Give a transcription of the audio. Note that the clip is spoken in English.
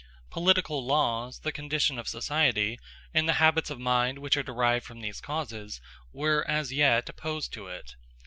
Political laws, the condition of society, and the habits of mind which are derived from these causes, were as yet opposed to it.